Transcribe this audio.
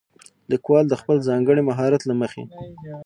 ليکوال د خپل ځانګړي مهارت له مخې